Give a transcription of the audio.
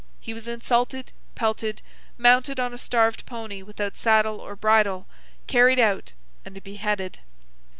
He was insulted, pelted, mounted on a starved pony without saddle or bridle, carried out, and beheaded.